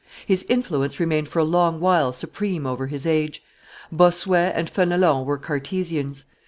His influence remained for a long while supreme over his age. Bossuet and Fenelon were Cartesians.